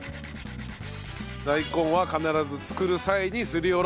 大根は必ず作る際にすり下ろす。